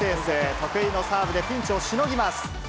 得意のサーブでピンチをしのぎます。